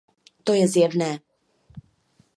To je zjevné.